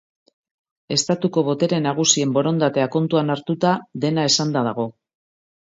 Estatuko botere nagusien borondatea kontuan hartuta, dena esanda dago.